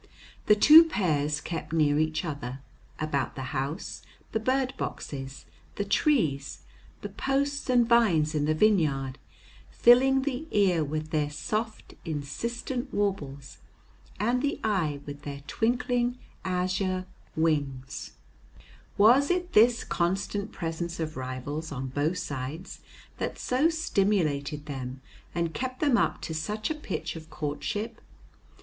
The two pairs kept near each other, about the house, the bird boxes, the trees, the posts and vines in the vineyard, filling the ear with their soft, insistent warbles, and the eye with their twinkling azure wings. [Illustration: BLUEBIRD Upper, male; lower, female] Was it this constant presence of rivals on both sides that so stimulated them and kept them up to such a pitch of courtship?